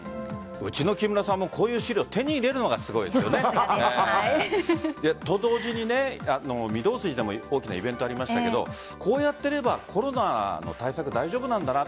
うちの木村さんもこういう資料、手に入れるのがすごいですよね。と同時に御堂筋でも大きなイベントがありましたがこうやってやればコロナの対策大丈夫なんだな。